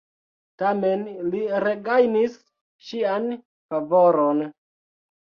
Tamen li regajnis ŝian favoron.